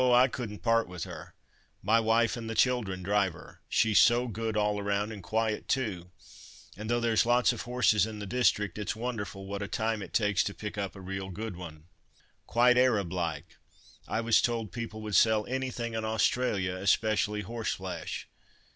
I couldn't part with her. My wife and the children drive her. She's so good all round, and quiet too; and though there's lots of horses in the district, it's wonderful what a time it takes to pick up a real good one." "Quite Arab like! I was told people would sell anything in Australia, especially horseflesh.